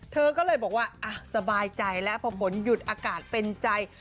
เธอก็เลยบอกว่าสบายใจแล้วพอฝนหยุดอากาศเป็นใจ